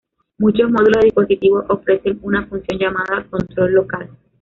Muchos módulos de dispositivos ofrecen una función llamada "control local".